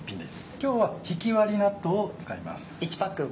今日はひきわり納豆を使います。